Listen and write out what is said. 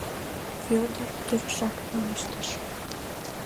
— Вӧдыр торешак пелештыш.